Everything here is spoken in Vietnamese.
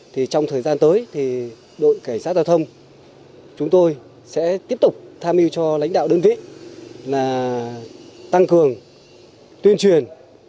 thì trong thời gian tới thì đội cảnh sát giao thông chúng tôi sẽ tiếp tục tham mưu cho lãnh đạo đơn vị là tăng cường tuyên truyền